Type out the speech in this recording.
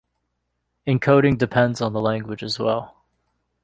Encoding depends on the language as well.